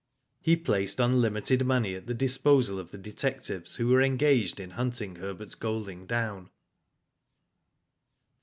He placed unlimited money at the disposal of the detectives who were Engaged in hunting Herbert Golding down.